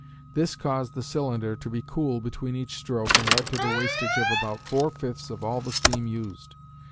This caused the cylinder to be cooled between each stroke and led to the wastage of about four fifths of all the steam used.